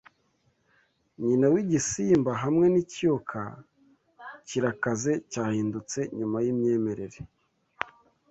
nyina w'igisimba hamwe n'ikiyoka kirakaze cyahindutse nyuma yimyemerere